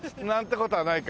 事はないか。